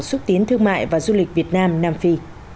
xúc tiến thương mại và du lịch việt nam nam phi